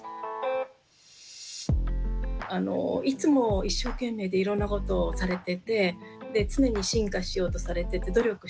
いつも一生懸命でいろんなことをされてて常に進化しようとされてて努力してると思うんですね。